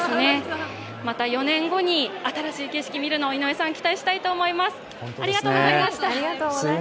また４年後に新しい景色を見るのを期待したいと思います。